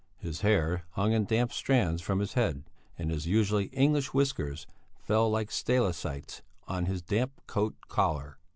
His hair hung in damp strands from his head, and his usually English whiskers fell like stalactites on his damp coat collar.